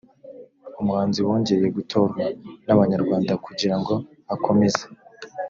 umuhanzi wongeye gutorwa n’abanyarwanda kugira ngo akomeze